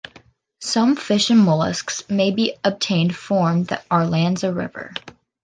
Some fish and mollusks may be obtained form the Arlanza river.